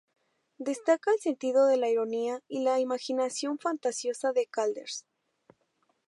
Destaca el sentido de la ironía y la imaginación fantasiosa de Calders.